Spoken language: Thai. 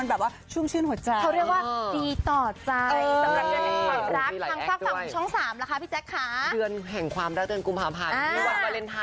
กระชุมกระชุมอยู่มาก